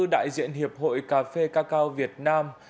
đại diện hiệp hội cà phê cacao việt nam